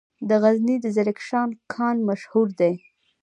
د غزني د زرکشان کان مشهور دی